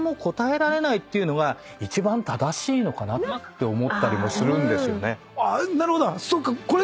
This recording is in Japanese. て思ったりもするんですよね。